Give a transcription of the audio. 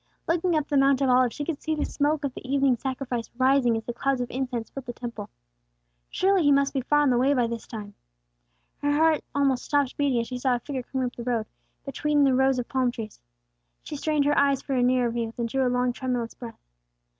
Looking up the Mount of Olives, she could see the smoke of the evening sacrifice rising as the clouds of incense filled the Temple. Surely he must be far on the way by this time. Her heart almost stopped beating as she saw a figure coming up the road, between the rows of palm trees. She strained her eyes for a nearer view, then drew a long tremulous breath.